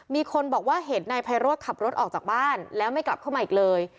มีคนบอกว่าเห็นนายไพโรธขับรถออกจากบ้านแล้วไม่กลับเข้ามาอีกเลย